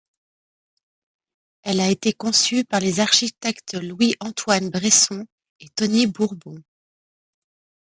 Elle a été conçue par les architectes Louis Antoine Bresson et Tony Bourbon.